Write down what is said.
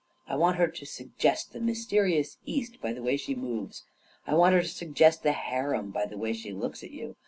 I want her to suggest the \ Mysterious East by the way she moves; I want her to suggest the harem by the way she looks at you.